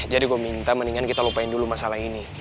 jadi gua minta mendingan kita lupain dulu masalah ini